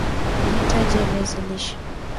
mahitaji ya viazi lishe